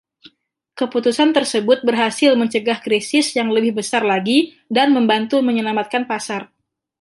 Keputusan tersebut berhasil mencegah krisis yang lebih besar lagi dan membantu menyelamatkan pasar.